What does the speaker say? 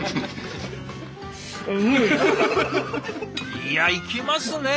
いやいきますねえ！